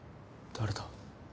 誰だ？